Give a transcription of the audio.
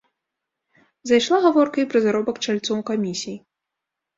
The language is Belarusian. Зайшла гаворка і пра заробак чальцоў камісій.